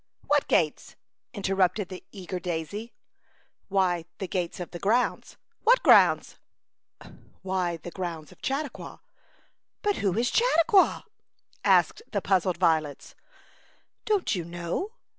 " What gates ?" interrupted the eager daisies. "Why, the gates of the grounds.'' " What grounds ?"" Why, the grounds of Chautauqua." "But who is Chautauqua?" asked the puzzled violets. " Don't you know